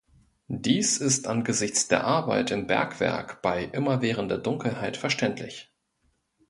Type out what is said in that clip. Dies ist angesichts der Arbeit im Bergwerk bei immerwährender Dunkelheit verständlich.